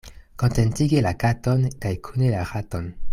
Kontentigi la katon kaj kune la raton.